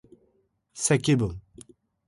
積分